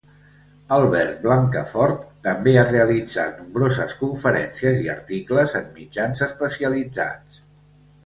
Albert Blancafort també ha realitzat nombroses conferències i articles en mitjans especialitzats.